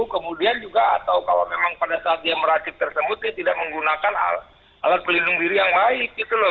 kemudian juga atau kalau memang pada saat dia meracik tersebut dia tidak menggunakan alat pelindung diri yang baik gitu loh